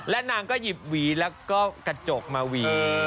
นางก็หยิบหวีแล้วก็กระจกมาหวี